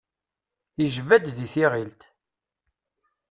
Ijba-d di tiɣilt.